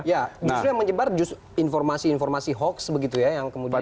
justru yang menyebar just informasi informasi hoax begitu ya yang kemudian juga di rumah masyarakat